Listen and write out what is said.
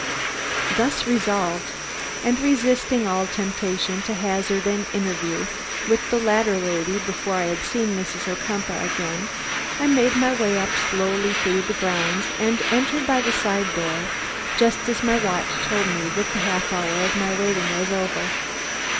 Thus resolved, and resisting all temptation to hazard an interview with the latter lady before I had seen Mrs. Ocumpaugh again, I made my way up slowly through the grounds and entered by the side door just as my watch told me that the half hour of my waiting was over.